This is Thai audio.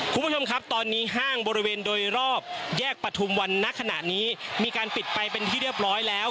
คุณผู้ชมครับตอนนี้ห้างบริเวณโดยรอบแยกปฐุมวันณขณะนี้มีการปิดไปเป็นที่เรียบร้อยแล้ว